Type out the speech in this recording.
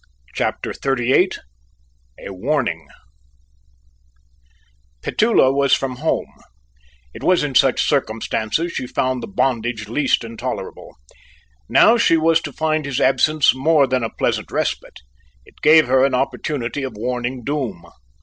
CHAPTER XXXVIII A WARNING Petullo was from home. It was in such circumstances she found the bondage least intolerable. Now she was to find his absence more than a pleasant respite; it gave her an opportunity of warning Doom.